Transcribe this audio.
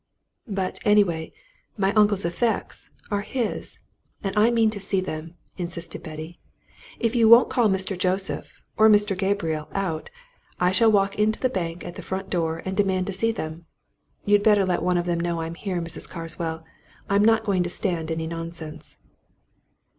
"But, anyway, my uncle's effects are his and I mean to see them," insisted Betty. "If you won't call Mr. Joseph or Mr. Gabriel out, I shall walk into the bank at the front door, and demand to see them. You'd better let one of them know I'm here, Mrs. Carswell I'm not going to stand any nonsense."